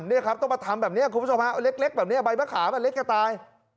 เนี่ยครับต้องมาทำแบบนี้ครับคุณพุทธภาพเล็กแบบนี้ใบมะขามเล็กกว่าตาย